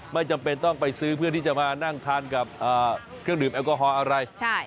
ไม่จำเป็นต้องไปซื้อเพื่อที่จะมานั่งทานกับเครื่องดื่มแอลกอฮอล์อะไร